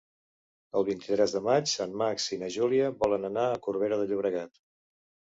El vint-i-tres de maig en Max i na Júlia volen anar a Corbera de Llobregat.